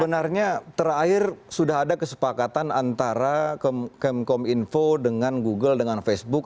sebenarnya terakhir sudah ada kesepakatan antara kemkom info dengan google dengan facebook